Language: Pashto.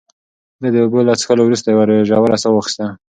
ده د اوبو له څښلو وروسته یوه ژوره ساه واخیسته.